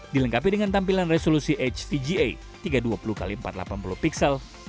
dilengkapi dengan tampilan resolusi hvga tiga ratus dua puluh x empat ratus delapan puluh pixel